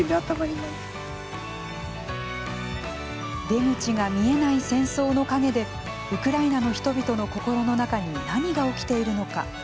出口が見えない戦争の陰でウクライナの人々の心の中に何が起きているのか。